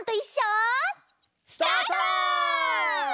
スタート！